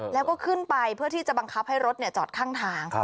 แล้วก็ขึ้นไปเพื่อที่จะบังคับให้รถจอดข้างทาง